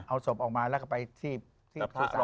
เอาสวบออกมาแล้วก็ไปที่พระสาร